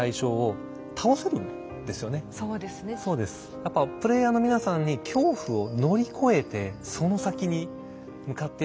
やっぱプレイヤーの皆さんに恐怖を乗り越えてその先に向かっていく。